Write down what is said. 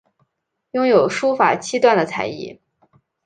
拥有书法七段的才艺。